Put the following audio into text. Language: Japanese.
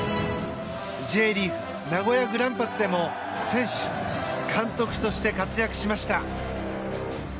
Ｊリーグ名古屋グランパスでも選手・監督として活躍しました。